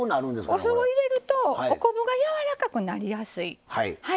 お酢を入れるとお昆布がやわらかくなりやすい一つは。